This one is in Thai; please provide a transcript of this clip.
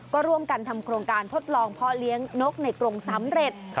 ก็ร่วมกันทำโครงการทดลองพ่อเลี้ยงนกในกรงสำเร็จ